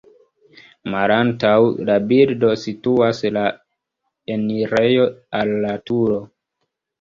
Malantaŭ la bildo situas la enirejo al la turo.